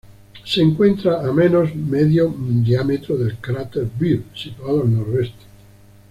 Se encuentra a menos medio diámetro del cráter Beer, situado al noroeste.